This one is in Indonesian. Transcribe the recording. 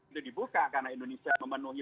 itu dibuka karena indonesia memenuhi